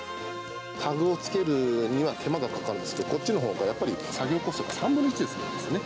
タグをつけるには手間がかかるんですけど、こっちのほうが、やっぱり作業コストが３分の１で済むんですね。